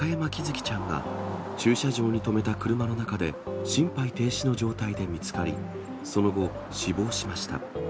生ちゃんが駐車場に止めた車の中で、心肺停止の状態で見つかり、その後、死亡しました。